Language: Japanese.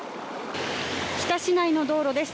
日田市内の道路です。